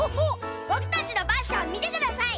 ぼくたちのパッションみてください！